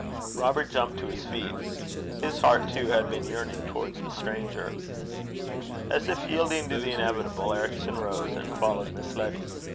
Robert jumped to his feet. His heart too had been yearning towards the stranger. As if yielding to the inevitable, Ericson rose and followed Miss Letty.